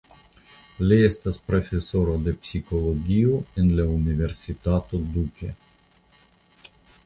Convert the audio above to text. Li estas profesoro de psikologio en la Universitato Duke.